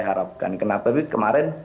harapkan kenapa tapi kemarin